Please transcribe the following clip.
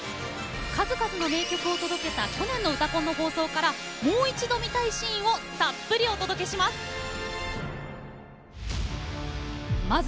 数々の名曲を届けた去年の「うたコン」の放送からもう一度見たいシーンをたっぷりお届けします。